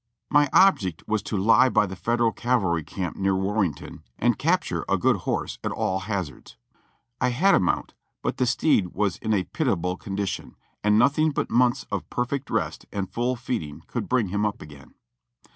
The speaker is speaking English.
My object was to lie by the Federal cavalry camp near Warren ton and capture a good horse at all hazards. I had a mount, but the steed was in a pitiable condition, and nothing but months of perfect rest and full feeding could bring him up again.